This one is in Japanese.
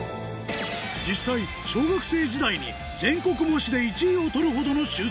実際小学生時代に全国模試で１位を取るほどの秀才